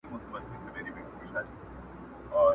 دوه او درې ځله غوټه سو په څپو کي!!